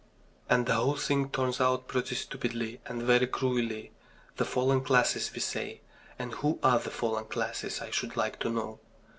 And the whole thing turns out pretty stupidly and very cruelly. The fallen classes, we say. And who are the fallen classes, I should like to know?